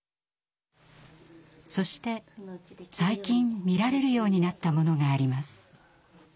そして最近見られるようになったものがあります。